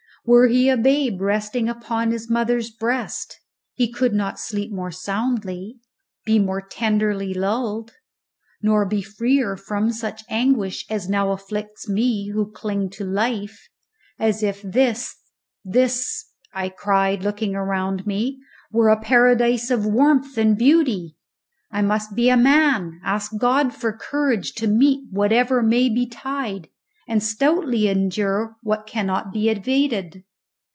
Were he a babe resting upon his mother's breast he could not sleep more soundly, be more tenderly lulled, nor be freer from such anguish as now afflicts me who cling to life, as if this this," I cried, looking around me, "were a paradise of warmth and beauty. I must be a man, ask God for courage to meet whatever may betide, and stoutly endure what cannot be evaded."